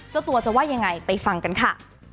เจ้าตัวจะว่ายังไงไปฟังกันค่ะ